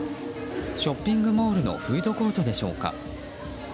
ショッピングモールのフードコートでしょうか。